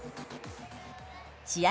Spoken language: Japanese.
試合